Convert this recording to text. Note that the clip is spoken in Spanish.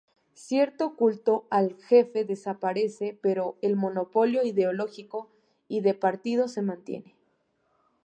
Cierto culto al jefe desaparece, pero el monopolio ideológico y de partido se mantiene.